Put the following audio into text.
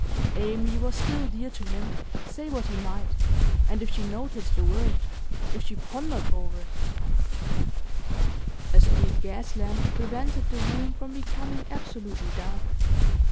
Amy was still dear to him, say what he might, and if she noted the word if she pondered over it A street gas lamp prevented the room from becoming absolutely dark.